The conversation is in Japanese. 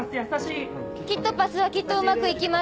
キットパスはきっとうまくいきます。